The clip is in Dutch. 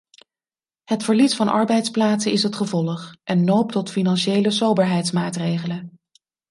Het verlies van arbeidsplaatsen is het gevolg en noopt tot financiële soberheidsmaatregelen.